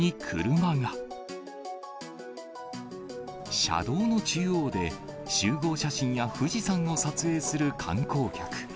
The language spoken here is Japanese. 車道の中央で、集合写真や富士山を撮影する観光客。